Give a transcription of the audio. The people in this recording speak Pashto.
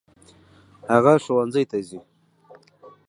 هغه ښوونځي ته ځي.